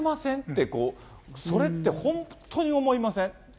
って、それって本当に思いません？